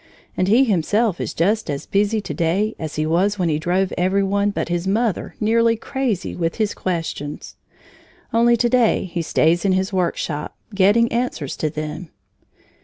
And he himself is just as busy to day as he was when he drove every one but his mother nearly crazy with his questions. Only to day he stays in his workshop, getting answers to them.